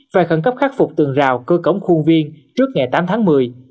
phải khẩn cấp khắc phục tường rào cơ cống khuôn viên trước ngày tám tháng một mươi